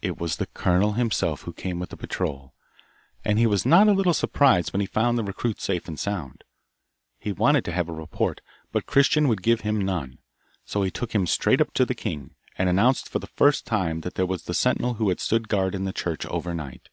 It was the colonel himself who came with the patrol, and he was not a little surprised when he found the recruit safe and sound. He wanted to have a report, but Christian would give him none, so he took him straight up to the king, and announced for the first time that here was the sentinel who had stood guard in the church over night.